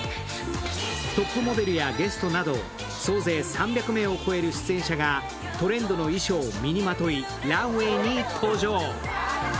トップモデルやゲストなど、総勢３００名を超える出演者がトレンドの衣装を身にまとい、ランウェイに登場。